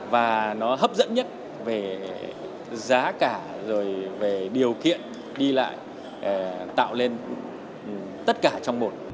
và nó hấp dẫn nhất về giá cả rồi về điều kiện đi lại tạo lên tất cả trong một